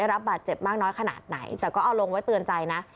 รับบาดเจ็บมากน้อยขนาดไหนแต่ก็เอาลงไว้เตือนใจนะ